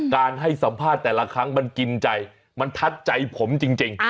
การให้สัมภาษณ์แต่ละครั้งมันกินใจมันทัดใจผมจริง